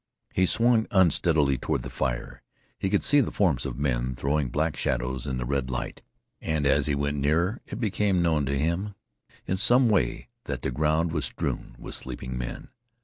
He swung unsteadily toward the fire. He could see the forms of men throwing black shadows in the red light, and as he went nearer it became known to him in some way that the ground was strewn with sleeping men.